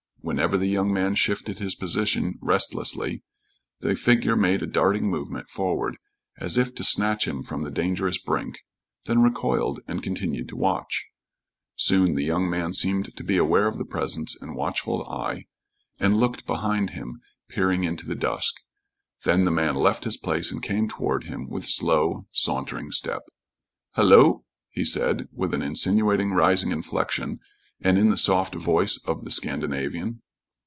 Whenever the young man shifted his position restlessly, the figure made a darting movement forward as if to snatch him from the dangerous brink, then recoiled and continued to watch. Soon the young man seemed to be aware of the presence and watchful eye, and looked behind him, peering into the dusk. Then the man left his place and came toward him, with slow, sauntering step. "Hullo!" he said, with an insinuating, rising inflection and in the soft voice of the Scandinavian.